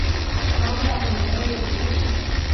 আমাদের আক্রমণ করা হয়েছে, বুঝেছেন?